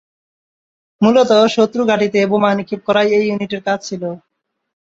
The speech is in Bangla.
মূলতঃ শত্রু ঘাঁটিতে বোমা নিক্ষেপ করাই এ ইউনিটের কাজ ছিল।